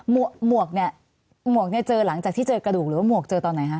หมวกเนี่ยหมวกเนี่ยเจอหลังจากที่เจอกระดูกหรือว่าหมวกเจอตอนไหนคะ